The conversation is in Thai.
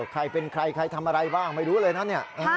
ใครเป็นใครใครทำอะไรบ้างไม่รู้เลยนะเนี่ย